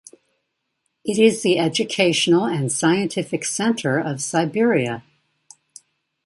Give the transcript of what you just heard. It is the educational and scientific centre of Siberia.